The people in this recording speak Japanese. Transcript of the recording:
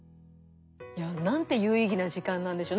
いやなんて有意義な時間なんでしょう。